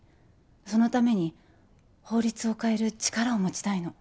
そのために法律を変える力を持ちたいの。